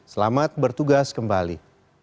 selamat bertugas kembali